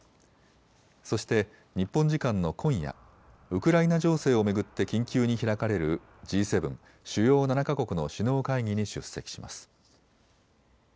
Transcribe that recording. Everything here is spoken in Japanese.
そして日本時間の今夜、ウクライナ情勢を巡って緊急に開かれるＧ７・主要７か国の首脳会議に出席します。